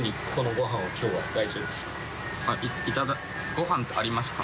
ごはんってありますか？